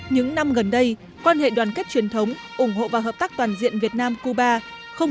những năm gần đây quan hệ đoàn kết truyền thống ủng hộ và hợp tác toàn diện việt nam cuba không